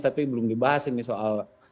tapi belum dibahas ini soal